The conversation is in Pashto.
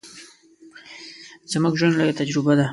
زموږ ژوند، لويه تجربه ده.